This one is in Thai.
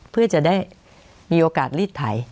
เพื่อจะได้มีโอกาสรีดไถ